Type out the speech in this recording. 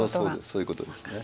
そういうことですね。